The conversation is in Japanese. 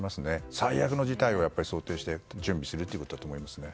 最悪の事態を想定して準備するということだと思いますね。